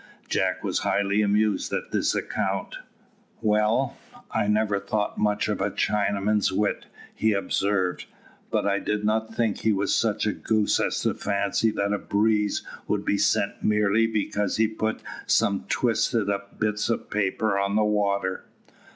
Jack was highly amused at this account. "Well, I never thought much of a Chinaman's wit," he observed; "but I did not think he was such a goose as to fancy that a breeze would be sent merely because he put some twisted up bits of paper on the water."